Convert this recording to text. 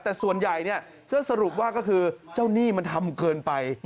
แต่ส่วนใหญ่เนี่ยเสื้อสรุปว่าก็คือเจ้าหนี้มันทำเกินไป